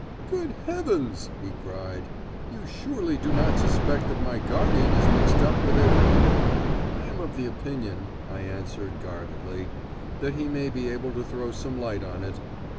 "Great heavens!" he cried. "You surely do not suspect that my guardian is mixed up with it?" "I am of the opinion," I answered guardedly, "that he may be able to throw some light on it.